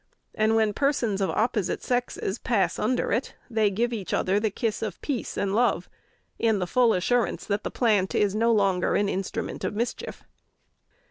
And when persons of opposite sexes pass under it, they give each other the kiss of peace and love, in the full assurance that the plant is no longer an instrument of mischief.